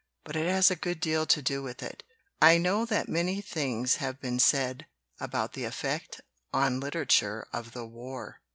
But it has a good deal to do with it. I know that many things have been said about the effect on literature of the war.